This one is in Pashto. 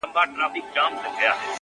• غربت مي شپې يوازي کړيدي تنها يمه زه ـ